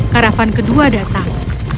karavan kedua datang